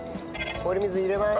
氷水に入れます！